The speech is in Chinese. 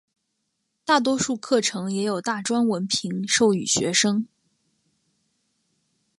大多数课程也有大专文凭授予学生。